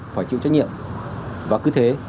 phải chịu trách nhiệm và cứ thế